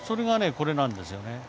これなんですよね。